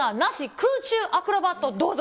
空中アクロバット、どうぞ。